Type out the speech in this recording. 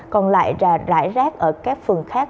còn lại là rải rác ở các phường khác